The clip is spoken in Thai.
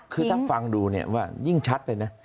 คือถ้าฟังดูเนี่ยว่ายิ่งชัดเลยนะ